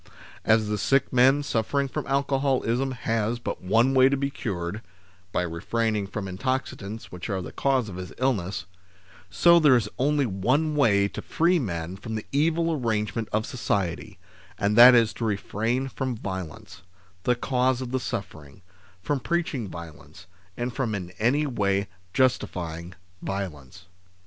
As the sick man suffering from alcoholism has but one way to be cured by refraining from intoxicants which are the cause of his illness, so there is only one way to free men from the evil arrangement of AN AFTERWORD 127 society, and that is to refrain from violence, the cause of the suffering, from preaching violence, and from in any way justifying violence.